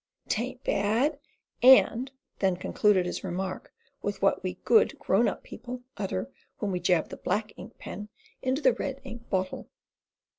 'tain't bad" — and then concluded his remark with what we good, grown up people utter when we jab the black ink pen into the red ink bottle!